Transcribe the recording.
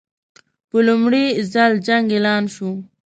په لومړي ځل جنګ اعلان شو.